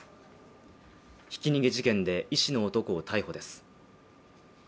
ひき逃げ事件で、医師の男を逮捕です。